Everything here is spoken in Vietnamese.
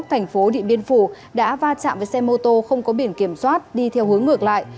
thành phố điện biên phủ đã va chạm với xe mô tô không có biển kiểm soát đi theo hướng ngược lại